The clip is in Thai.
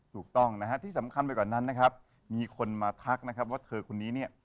ถูกต้องนะฮะที่สำคัญไปกว่านั้นนะครับมีคนมาทักนะครับว่าเธอคนนี้เนี่ย